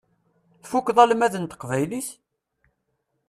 Tfukkeḍ almad n teqbaylit?